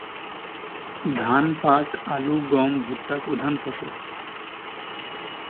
ধান, পাট, আলু, গম, ভূট্টা প্রধান ফসল।